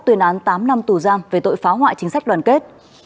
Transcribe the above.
tuyên án tám năm tù giam về tội phá hoại chính sách đoàn kết